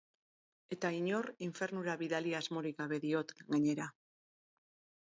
Eta inor infernura bidali asmorik gabe diot, gainera.